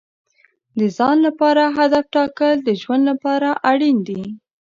د ځان لپاره هدف ټاکل د ژوند لپاره اړین دي.